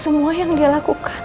semua yang dia lakukan